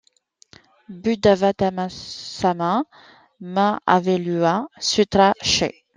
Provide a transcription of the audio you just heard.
Buddhāvatamsakanāma-mahāvaipulya-sūtra, ch.